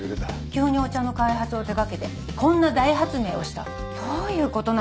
急にお茶の開発を手がけてこんな大発明をしたどういうことなんだろうって。